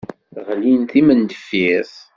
Ɣlin d timendeffirt.